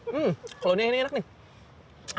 hmm kalau dia ini enak nih